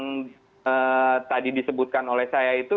yang tadi disebutkan oleh saya itu